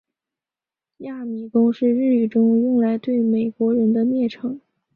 亚米公是日语中用来对美国人的蔑称。